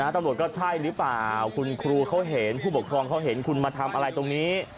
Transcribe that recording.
ตำรวจก็ใช่หรือเปล่าคุณครูเขาเห็นผู้ปกครองเขาเห็นคุณมาทำอะไรตรงนี้